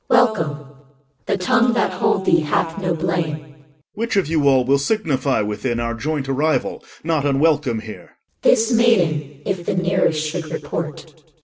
CH. Welcome. The tongue that told thee hath no blame. OR. Which of you all will signify within Our joint arrival, not unwelcome here. CH. This maiden, if the nearest should report.